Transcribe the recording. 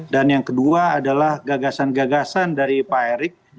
dan yang kedua adalah gagasan gagasan dari pak erick